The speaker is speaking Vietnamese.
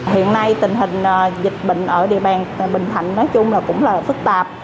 hiện nay tình hình dịch bệnh ở địa bàn bình thạnh nói chung là cũng là phức tạp